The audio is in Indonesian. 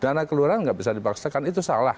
dana kelurahan nggak bisa dipaksakan itu salah